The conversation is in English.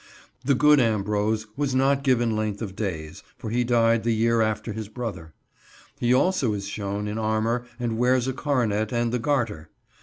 The good Ambrose was not given length of days, for he died the year after his brother. He also is shown in armour and wears a coronet and the Garter.